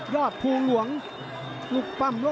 ยอดภูรวงลูกปัมนี่